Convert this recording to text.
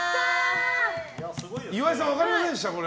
岩井さん、分かりませんでした？